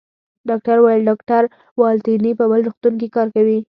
ډاکټر وویل: ډاکټر والنتیني په بل روغتون کې کار کوي.